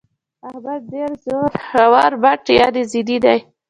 احمد ډېر زورمټ يانې ضدي دى.